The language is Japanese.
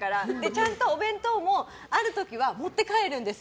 ちゃんとお弁当もある時は持って帰るんです。